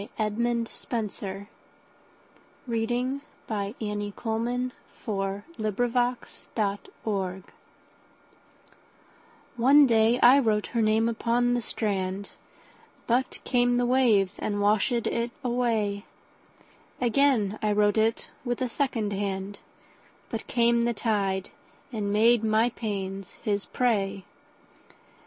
Edmund Spenser 81. One Day I Wrote Her Name Upon the Strand ONE day I wrote her name upon the strand, But came the waves and washèd it away:Again I wrote it with a second hand, But came the tide and made my pains his prey.